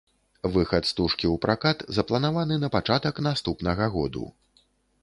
Выхад стужкі ў пракат запланаваны на пачатак наступнага году.